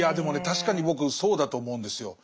確かに僕そうだと思うんですよ。